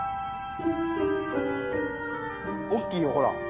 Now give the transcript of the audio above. おっきいよほら。